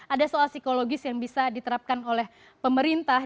ada soal psikologis yang bisa diterapkan oleh pemerintah